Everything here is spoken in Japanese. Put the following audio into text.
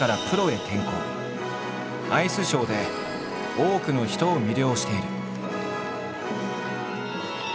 アイスショーで多くの人を魅了している。